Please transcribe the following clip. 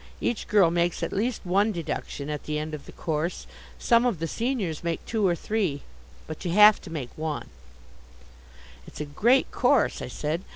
Each girl makes at least one deduction at the end of the course. Some of the seniors make two or three. But you have to make one." "It's a great course," I said.